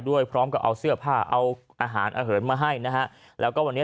ด้วยพร้อมกับเอาเสื้อผ้าเอาอาหารอเหินมาให้นะฮะแล้วก็วันนี้